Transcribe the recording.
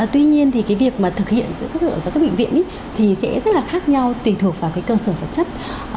tuy nhiên thì cái việc mà thực hiện giữa các bệnh viện thì sẽ rất là khác nhau tùy thuộc vào cái cơ sở thực chất